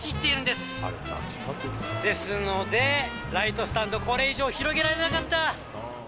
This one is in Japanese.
ですので、ライトスタンド、これ以上広げられなかった。